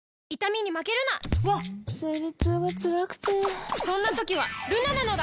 わっ生理痛がつらくてそんな時はルナなのだ！